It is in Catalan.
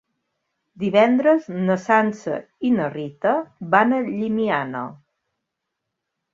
Divendres na Sança i na Rita van a Llimiana.